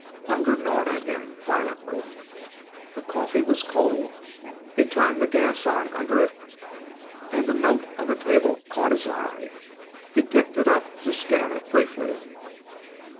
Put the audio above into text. Hunger gnawed at him violently. The coffee was cold. He turned the gas on under it and the note on the table caught his eye. He picked it up to scan it briefly.